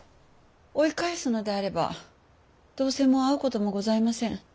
追い返すのであればどうせもう会うこともございません。